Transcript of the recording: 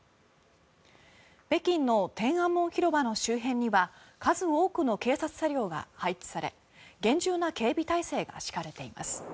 北京の天安門広場の周辺には数多くの警察車両が配置され厳重な警備態勢が敷かれています。